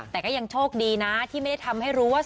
แต่ก็ยังโชคดีนะที่ไม่ได้ทำให้รู้ว่า